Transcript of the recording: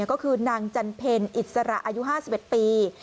ก็คือนางจันเพลอิสระอายุ๕๑ปี